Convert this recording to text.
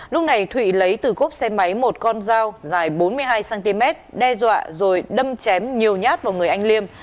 lúc này thụy lấy từ cốp xe máy một con dao dài bốn mươi hai cm đe dọa rồi đâm chém nhiều nhát vào người anh liêm